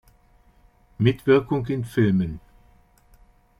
Mitwirkung in Filmen